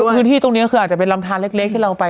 พื้นที่ตรงนี้คืออาจจะเป็นลำทานเล็กที่เราไป